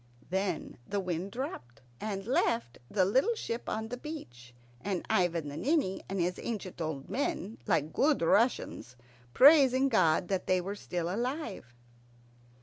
Then the wind dropped, and left the little ship on the beach, and Ivan the Ninny and his ancient old men, like good Russians, praising God that they were still alive.